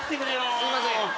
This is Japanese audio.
すいません。